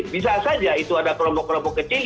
bisa saja itu ada kelompok kelompok kecil